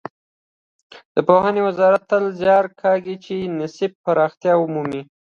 د پوهنې وزارت تل زیار کاږي چې نصاب پراختیا ومومي.